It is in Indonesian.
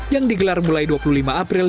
yang digelar mulai dua puluh lima april